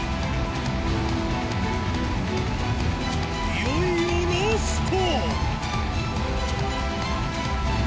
いよいよラスト